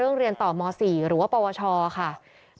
ส่วนของชีวาหาย